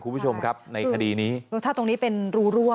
คุณผู้ชมครับในคดีนี้ถ้าตรงนี้เป็นรูรั่ว